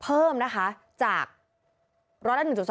เพิ่มจาก๑๐๐ละ๑๒